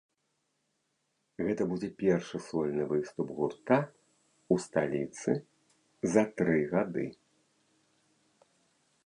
Гэта будзе першы сольны выступ гурта ў сталіцы за тры гады.